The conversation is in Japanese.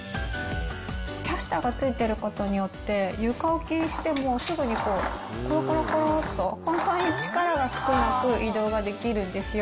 キャスターが付いてることによって、床置きにしても、すぐにこう、ころころころっと、本当に力が少なく移動ができるんですよ。